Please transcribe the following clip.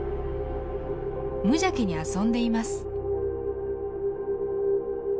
無邪気に遊んでいます。